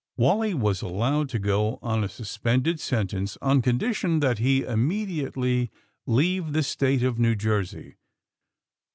Wally was allowed to go on a suspended sen tence on condition that he immediately leave the State of New Jersey.